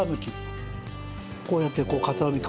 こうやってこう桂むき。